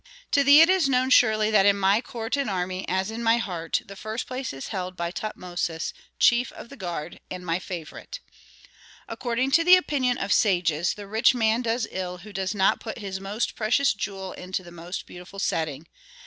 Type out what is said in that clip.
To thee it is known surely that in my court and army, as in my heart, the first place is held by Tutmosis, chief of the guard, and my favorite. "According to the opinion of sages the rich man does ill who does not put his most precious jewel into the most beautiful setting.